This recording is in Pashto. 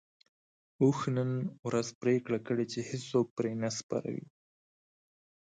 اوښ نن ورځ پرېکړه کړې چې هيڅوک پرې نه سپروي.